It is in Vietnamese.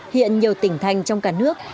hiện nhiều tỉnh thành trong cả nước